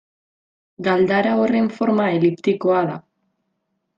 Galdara horren forma eliptikoa da.